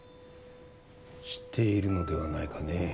知っているのではないかね？